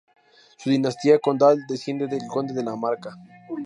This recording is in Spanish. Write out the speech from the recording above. Su dinastía condal desciende del conde de la Marca.